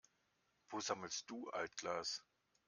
Wo sammelst du Altglas?